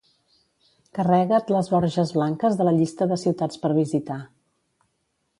Carrega't les Borges Blanques de la llista de ciutats per visitar.